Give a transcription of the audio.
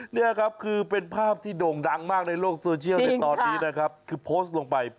นี่ครับคือเป็นภาพที่โด่งดังมากในโลกโซเชียลในตอนนี้นะครับคือโพสต์ลงไป